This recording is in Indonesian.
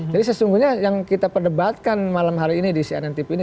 jadi sesungguhnya yang kita perdebatkan malam hari ini di cnn tv ini